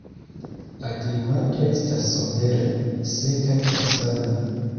La klimato estas somere seka kaj sana.